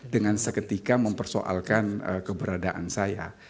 dengan seketika mempersoalkan keberadaan saya